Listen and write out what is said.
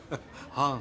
はん。